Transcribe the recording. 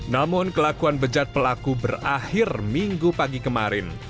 namun kelakuan bejat pelaku berakhir minggu pagi kemarin